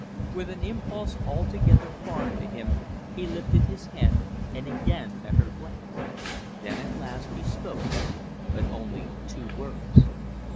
With an impulse altogether foreign to him he lifted his head and again met her glance. Then at last he spoke, but only two words.